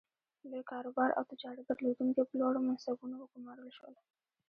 لوی کاروبار او تجارت درلودونکي په لوړو منصبونو وګومارل شول.